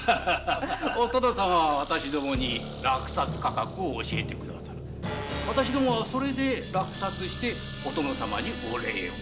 お殿様は落札価格を教えて下さり私どもはそれで落札してお殿様にお礼を。